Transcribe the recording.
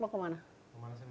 mau ke mana sih motor